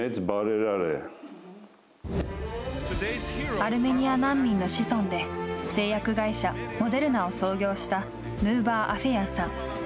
アルメニア難民の子孫で、製薬会社、モデルナを創業したヌーバー・アフェヤンさん。